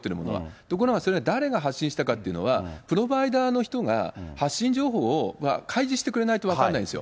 ところがそれが誰が発信したかというのは、プロバイダーの人が発信情報を開示してくれないと分からないんですよ。